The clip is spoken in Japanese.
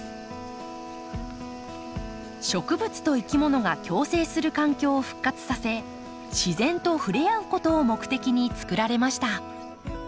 植物といきものが共生する環境を復活させ自然と触れ合うことを目的につくられました。